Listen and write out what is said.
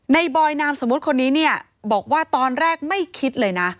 ในบรอยนามสมมติคนนี้บอกว่าตอนแรกไม่คิดเลย